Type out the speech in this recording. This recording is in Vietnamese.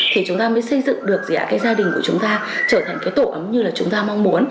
thì chúng ta mới xây dựng được cái gia đình của chúng ta trở thành cái tổ ấm như là chúng ta mong muốn